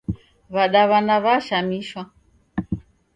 W'adaw'ana w'ashamishwa